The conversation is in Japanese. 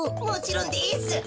もちろんです！